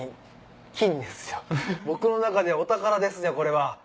僕の中でお宝ですねこれは。